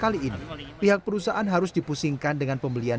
kali ini pihak perusahaan harus dipusingkan dengan pembelian